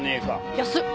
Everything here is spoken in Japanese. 安っ！